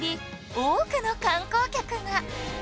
多くの観光客が！